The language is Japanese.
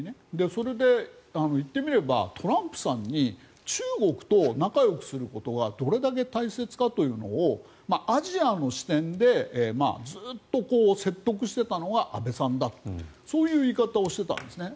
それでいってみればトランプさんに中国と仲よくすることがどれだけ大切かというのをアジアの視点でずっと説得していたのは安倍さんだとそういう言い方をしていたんですね。